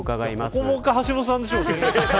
ここはもう一回橋下さんでしょう。